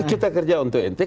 kita kerja untuk intik